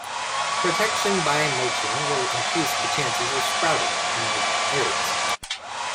Protection by mulching will increase the chances of sprouting in marginal areas.